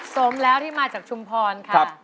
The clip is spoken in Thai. สมแล้วที่มาจากชุมพรค่ะ